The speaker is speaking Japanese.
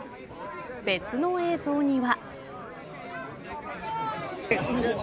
別の映像には。